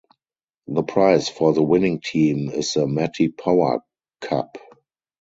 The prize for the winning team is the Matty Power Cup.